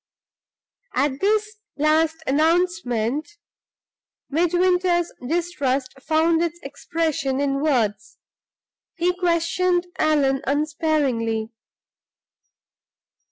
'" At this last announcement, Midwinter's distrust found its expression in words. He questioned Allan unsparingly.